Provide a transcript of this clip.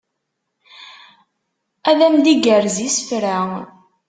Ad am d-igerrez isefra